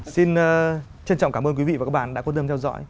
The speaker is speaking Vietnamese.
xin trân trọng cảm ơn quý vị và các bạn đã quan tâm theo dõi